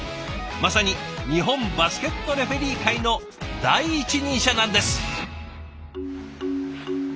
まさに日本バスケットレフェリー界の第一人者なんです。